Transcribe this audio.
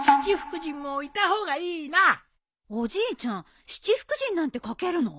おじいちゃん七福神なんて描けるの？